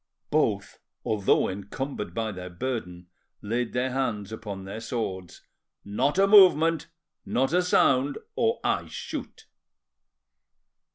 Both, although encumbered by their burden, laid their hands upon their swords. "Not a movement, not a sound, or I shoot."